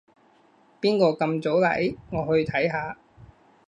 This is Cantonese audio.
邊個咁早嚟？我去睇下